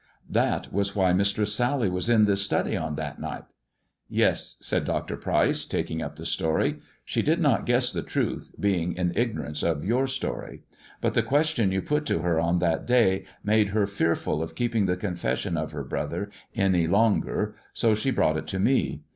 " That was why Mistress Sally was in this study on that night." " Yes," said Dr. Pryce, taking up the story ;" she did not guess the truth, being in ignorance of your story. But the question you put to her on that day made her fearful of keeping the confession of her brother any longer, so she brought it to me.